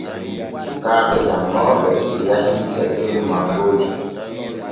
Sukaaɓe janŋooɓe yahii tettol mangooje.